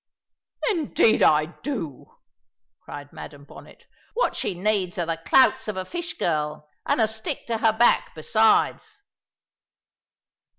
"Indeed I do!" cried Madam Bonnet. "What she needs are the clouts of a fish girl, and a stick to her back besides."